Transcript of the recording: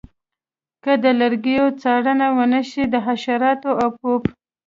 که د لرګیو څارنه ونشي د حشراتو او پوپ